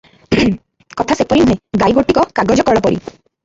କଥା ସେପରି ନୁହେଁ, ଗାଈ ଗୋଟିକ କାଗଜକଳପରି ।